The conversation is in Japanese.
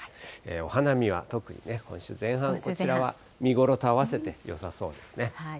お花見は特に今週前半、こちらは見頃と合わせてよさそうですね。